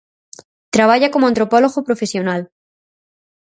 Traballa como antropólogo profesional.